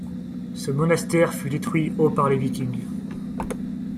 Ce monastère fut détruit au par les Vikings.